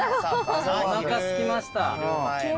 おなかすきました。